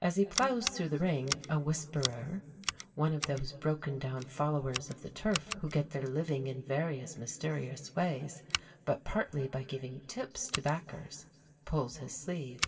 As he ploughs through the ring, a Whisperer (one of those broken down followers of the turf who get their living in various mysterious ways, but partly by giving "tips" to backers) pulls his sleeve.